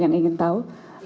yang ingin tahu